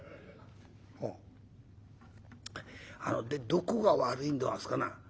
「あああのでどこが悪いんでござんすかな？」。